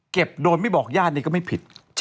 เก็บโดนไม่บอกญาติก็ไม่ผิด